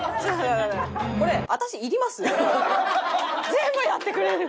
全部やってくれる！